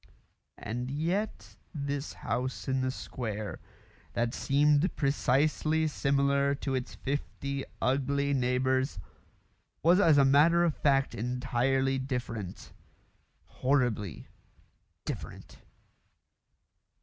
And yet this house in the square, that seemed precisely similar to its fifty ugly neighbours, was as a matter of fact entirely different horribly different.